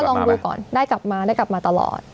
ลองดูก่อนได้กลับมาได้กลับมาตลอด